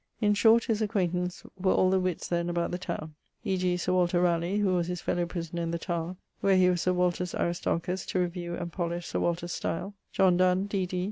In shorte, his acquaintance were all the witts then about the towne; e.g. Sir Walter Raleigh, who was his fellow prisoner in the Tower, where he was Sir Walter's Aristarchus to reviewe and polish Sir Walter's stile; John Donne, D.D.